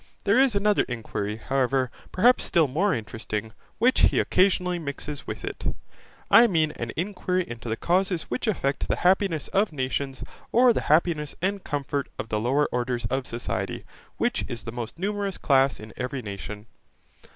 There is another inquiry, however, perhaps still more interesting, which he occasionally mixes with it; I mean an inquiry into the causes which affect the happiness of nations or the happiness and comfort of the lower orders of society, which is the most numerous class in every nation.